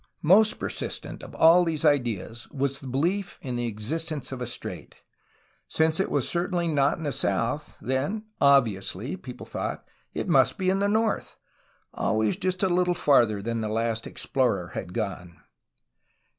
Most persistent of all these ideas was the belief in the existence of a strait. Since it was certainly not in the south, then, obviously, people thought, it must be in the north, — always just a little farther than the last explorer had gone.